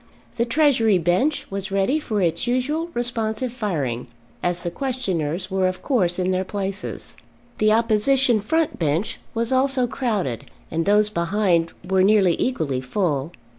The Treasury bench was ready for its usual responsive firing, as the questioners were of course in their places. The opposition front bench was also crowded, and those behind were nearly equally full.